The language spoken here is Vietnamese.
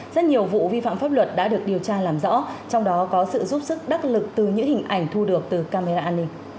rất nhiều vụ vi phạm pháp luật đã được điều tra làm rõ trong đó có sự giúp sức đắc lực từ những hình ảnh thu được từ camera an ninh